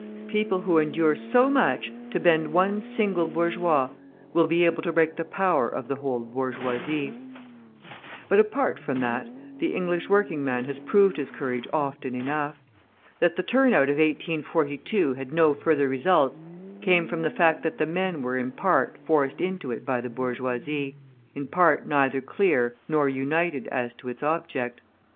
People who endure so much to bend one single bourgeois will be able to break the power of the whole bourgeoisie. But apart from that, the English working man has proved his courage often enough. That the turnout of 1842 had no further results came from the fact that the men were in part forced into it by the bourgeoisie, in part neither clear nor united as to its object.